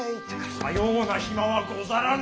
さような暇はござらぬ。